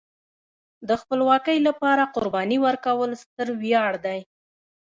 د خپلواکۍ لپاره قرباني ورکول ستر ویاړ دی.